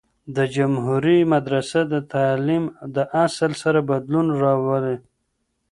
د جمهوری مدرسه د تعلیم د اصل سره بدلون راووي.